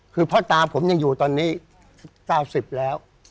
คือพ่อตาผมยังอยู่ตอนนี้๙๐แล้ว